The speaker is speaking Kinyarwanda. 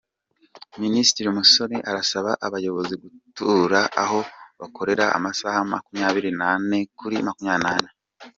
Minisitiri Musoni arasaba abayobozi gutura aho bakorera amasaha makumyabiri nane kuri makumyabiri nane